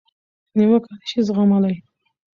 نیوکه نشي زغملای.